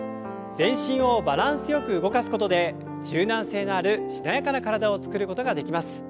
全身をバランスよく動かすことで柔軟性があるしなやかな体を作ることができます。